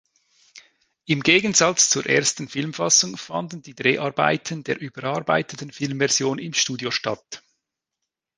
Im Gegensatz zur ersten Filmfassung fanden die Dreharbeiten der überarbeiteten Filmversion im Studio statt.